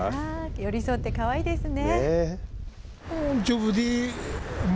寄り添ってかわいいですね。